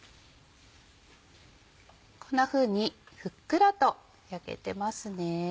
こんなふうにふっくらと焼けてますね。